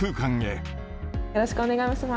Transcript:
よろしくお願いします。